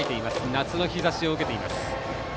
夏の日ざしを受けています。